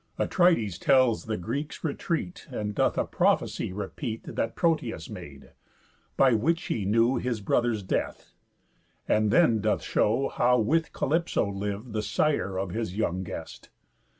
Atrides tells the Greeks' retreat, And doth a prophecy repeat That Proteus made, by which he knew His brother's death; and then doth show How with Calypso liv'd the sire Of his young guest.